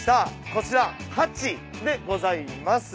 こちらハチでございます。